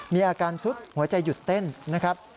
มีอาการสุดหัวใจหยุดเต้นนะครับ